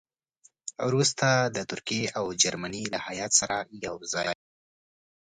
وروسته د ترکیې او جرمني له هیات سره یو ځای شو.